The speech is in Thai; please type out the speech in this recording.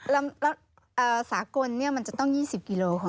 แล้วสากลเนี่ยมันจะต้อง๒๐กิโลเมตร